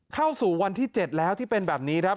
เข้าสู่วันที่๗แล้วที่เป็นแบบนี้ครับ